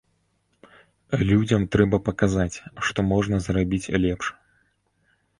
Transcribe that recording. Людзям трэба паказаць, што можна зрабіць лепш.